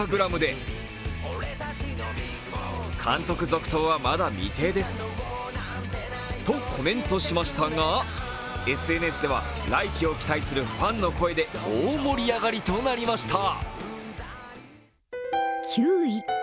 本人は自身のＩｎｓｔａｇｒａｍでとコメントしましたが、ＳＮＳでは来期を期待するファンの声で大盛り上がりとなりました。